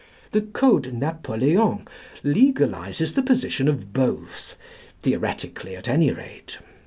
The Code Napoleon legalises the position of both, theoretically at any rate.